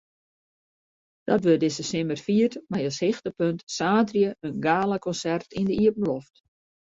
Dat wurdt dizze simmer fierd mei as hichtepunt saterdei in galakonsert yn de iepenloft.